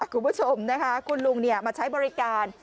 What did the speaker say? คุณผู้ชมนะคะมั่วลุงคุณมาใช้บริการ